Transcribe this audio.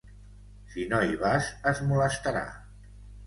Si no hi vas, es molestarà.